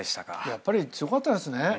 やっぱり強かったですね。